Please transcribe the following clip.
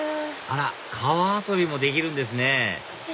あら川遊びもできるんですね